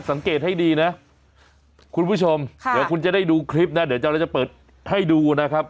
สังเกตให้ดีนะคุณผู้ชมเดี๋ยวคุณจะได้ดูคลิปนะเดี๋ยวเราจะเปิดให้ดูนะครับ